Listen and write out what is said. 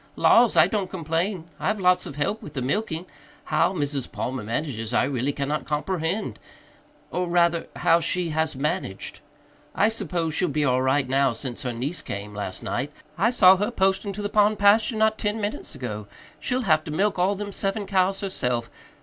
"Laws, I don't complain I've lots of help with the milking. How Mrs. Palmer manages, I really cannot comperhend or rather, how she has managed. I suppose she'll be all right now since her niece came last night. I saw her posting to the pond pasture not ten minutes ago. She'll have to milk all them seven cows herself.